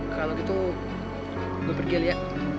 kalau gitu gue pergi li ya